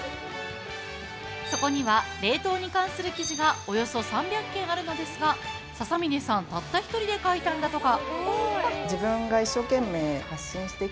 そこには、冷凍に関する記事がおよそ３００件あるんですが笹嶺さんたった一人で書いたんだとか。